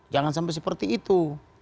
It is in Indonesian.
jangan sampai seperti itu